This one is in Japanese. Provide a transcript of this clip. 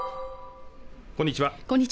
こんにちは